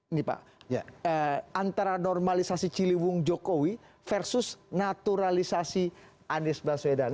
ini pak antara normalisasi ciliwung jokowi versus naturalisasi anies baswedan